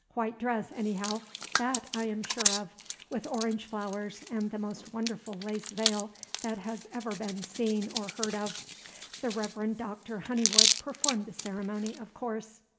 White dress, anyhow, that I am sure of, with orange flowers, and the most wonderful lace veil that was ever seen or heard of. The Reverend Doctor Honeywood performed the ceremony, of course.